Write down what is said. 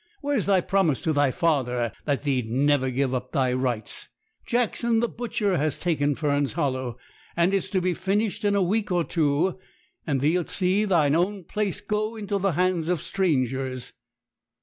Where's thy promise to thy father, that thee'd never give up thy rights? Jackson the butcher has taken Fern's Hollow, and it's to be finished up in a week or two; and thee'lt see thy own place go into the hands of strangers.'